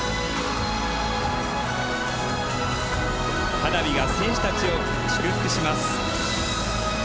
花火が選手たちを祝福します。